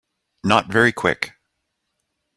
Not very Quick.